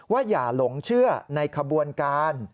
อย่าหลงเชื่อในขบวนการ